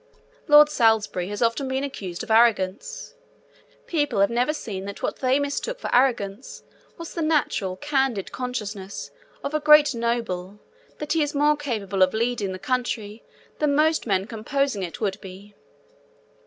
Lord Salisbury has often been accused of arrogance; people have never seen that what they mistook for arrogance was the natural, candid consciousness of a great noble that he is more capable of leading the country than most men composing it would be.